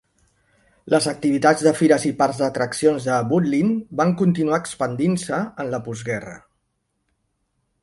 Les activitats de fires i parcs d'atraccions de Butlin van continuar expandint-se en la postguerra.